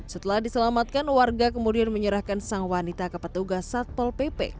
setelah diselamatkan warga kemudian menyerahkan sang wanita ke petugas satpol pp